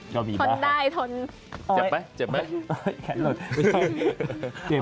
เจ็บไหม